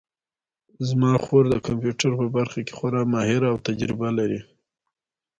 زما خور د کمپیوټر په برخه کې خورا ماهره او تجربه لري